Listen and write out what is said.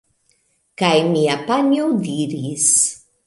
Kaj mia panjo diris: